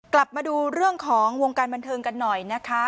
กลับมาดูเรื่องของวงการบันเทิงกันหน่อยนะคะ